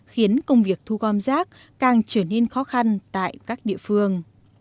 khiến công việc thu gom rác càng trở nên khó khăn tại các địa phương